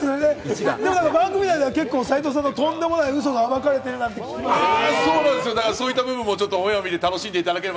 でも番組内では結構、斉藤さんのとんでもないウソが暴かれてるなんて聞きましたけど。